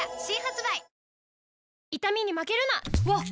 わっ！